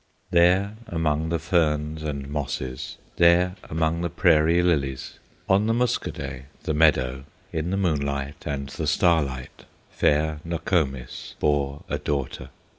There among the ferns and mosses, There among the prairie lilies, On the Muskoday, the meadow, In the moonlight and the starlight, Fair Nokomis bore a daughter.